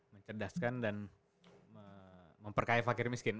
mencerdaskan dan memperkaya fakir miskin